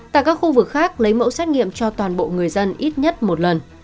tại các khu vực khác lấy mẫu xét nghiệm cho toàn bộ người dân ít nhất một lần